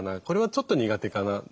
「これはちょっと苦手かな。